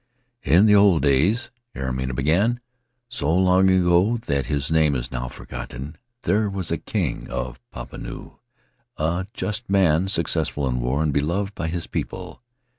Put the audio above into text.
4 In the old days," Airima began, "so long ago that his name is now forgotten, there was a king of Papenoo, a just man, successful in war and beloved by his people.